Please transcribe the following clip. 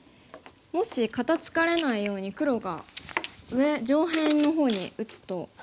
もし肩ツカれないように黒が上上辺の方に打つと。